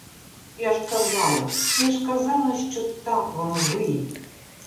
Я ж казала, я ж казала, що так воно вийде!